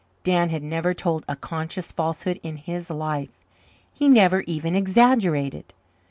Dan had never told a conscious falsehood in his life; he never even exaggerated.